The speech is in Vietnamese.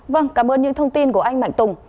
vâng cảm ơn những thông tin của anh mạnh tùng